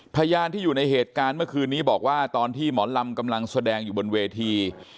พยานที่อยู่ในเหตุการณ์เมื่อคืนนี้บอกว่าตอนที่หมอลำกำลังแสดงอยู่บนเวที